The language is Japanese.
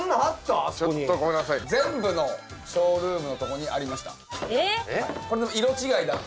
全部のショールームのとこにありましたえっ？